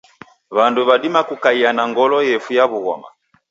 Wandu wadima kukaia na ngolo yefuya wughoma.